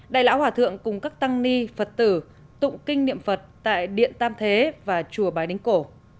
đại lão hòa thượng cùng các tăng ni phật tử tụng kinh niệm phật tại điện tam thế và chùa bái đính cổ